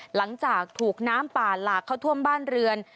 หลังจากถูกน้ำป่าหลากเข้าท่วมบ้านเรือน